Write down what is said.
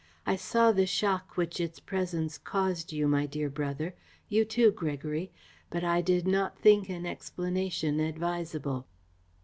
I saw the shock which its presence caused you, my dear brother you too, Gregory but I did not think an explanation advisable."